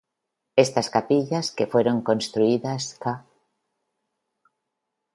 Estas capillas, que fueron construidas ca.